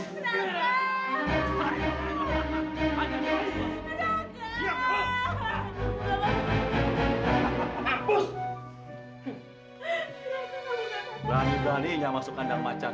berani beraninya masuk kandang macan